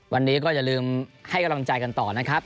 วันนี้ก็อย่าลืมให้กำลังใจกันต่อนะครับ